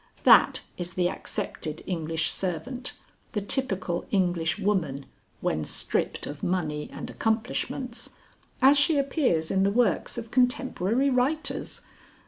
That is the accepted English servant, the typical English woman (when stripped of money and accomplishments) as she appears in the works of contemporary writers.